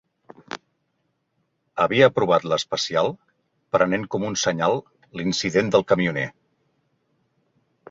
Havia aprovat l'especial prenent com un senyal l’incident del camioner.